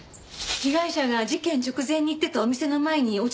被害者が事件直前に行ってたお店の前に落ちてたの。